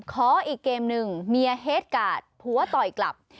ขออีกเกมนึงเมียเฮดการ์ดผู้ว่าต่อยกลับ